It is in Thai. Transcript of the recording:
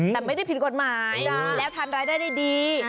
แต่ไม่ได้ผิดกฎหมายแล้วทานรายได้ได้ดี